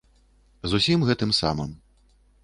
З усім гэтым самым.